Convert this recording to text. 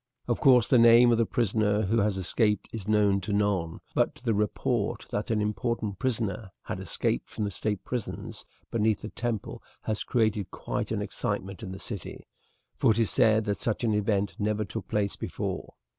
Of course the name of the prisoner who has escaped is known to none, but the report that an important prisoner had escaped from the state prisons beneath the temple has created quite an excitement in the city, for it is said that such an event never took place before.